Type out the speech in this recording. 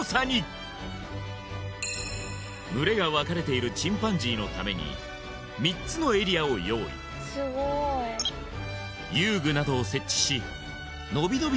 群れが分かれているチンパンジーのために３つのエリアを用意遊具などを設置しのびのび